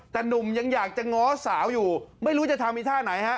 แต่หนุ่มยังอยากจะง้อสาวอยู่ไม่รู้จะทำอีกท่าไหนฮะ